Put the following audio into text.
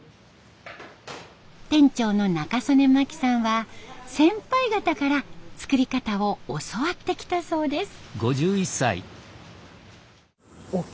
店長の中曽根真紀さんは先輩方から作り方を教わってきたそうです。